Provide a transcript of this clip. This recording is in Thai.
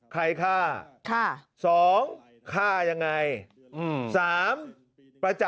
๑ใครฆ่า